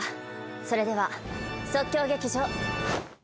それでは即興劇場。